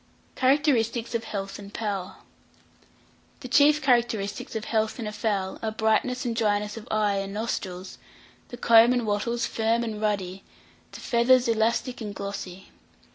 CHARACTERISTICS OF HEALTH AND POWER. The chief characteristics of health in a fowl are brightness and dryness of eye and nostrils, the comb and wattles firm and ruddy, the feathers elastic and glossy.